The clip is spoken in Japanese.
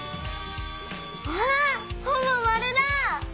わあほぼまるだ！